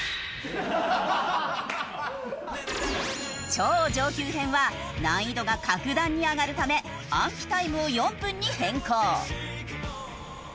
超上級編は難易度が格段に上がるため暗記タイムを４分に変更。